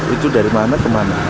itu dari mana ke mana